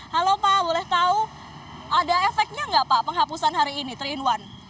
halo pak boleh tahu ada efeknya nggak pak penghapusan hari ini tiga in satu